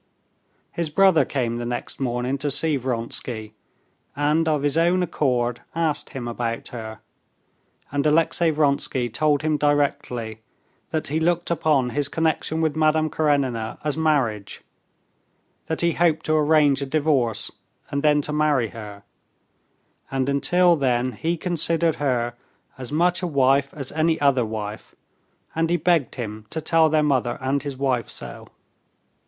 His brother came the next morning to see Vronsky, and of his own accord asked him about her, and Alexey Vronsky told him directly that he looked upon his connection with Madame Karenina as marriage; that he hoped to arrange a divorce, and then to marry her, and until then he considered her as much a wife as any other wife, and he begged him to tell their mother and his wife so.